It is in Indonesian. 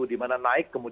di mana naik